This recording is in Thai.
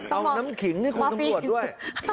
เอาน้ำขิงให้คุณตำรวจด้วย